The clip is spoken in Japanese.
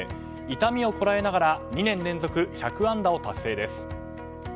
痛みをこらえながら２年連続１００安打を達成です。